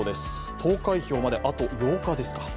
投開票まであと８日ですか。